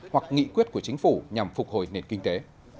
hoặc nghị quyết của chính phủ nhằm phục hồi nền kinh tế